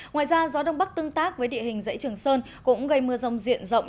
ngoài ra gió đông bắc tương tác với địa hình dãy trường sơn cũng gây mưa rông diện rộng